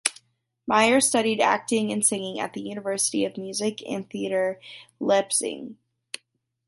Meyer studied acting and singing at the University of Music and Theatre Leipzig.